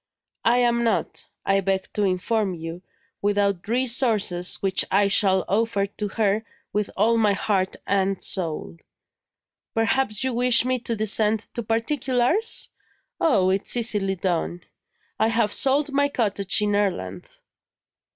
I am not, I beg to inform you, without resources which I shall offer to her with all my heart and soul. Perhaps you wish me to descend to particulars? Oh, it's easily done; I have sold my cottage in Ireland."